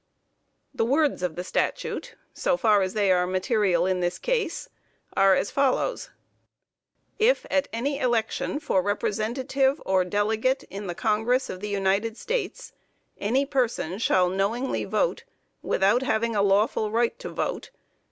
The words of the Statute, so far as they are material in this case, are as follows: "If at any election for representative or delegate in the Congress of the United States, any person shall knowingly ... vote without having a lawful right to vote